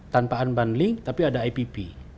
tanpa unbundling tapi ada ipp